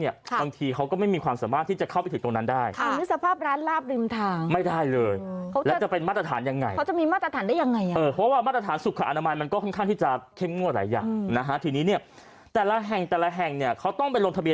บางทีเขาก็ไม่มีความสามารถที่จะเข้าไปถึงตรงนั้นได้เลย